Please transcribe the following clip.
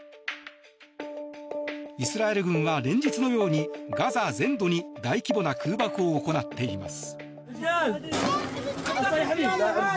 イスラエル軍は連日のようにガザ全土に大規模な空爆を行っています。